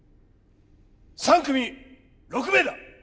３組６名だ！